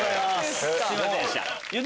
すいませんでした。